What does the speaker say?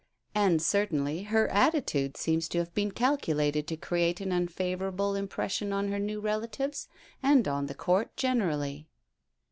And certainly her attitude seems to have been calculated to create an unfavourable impression on her new relatives and on the Court generally.